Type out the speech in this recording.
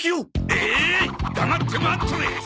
えーい黙って待っとれ！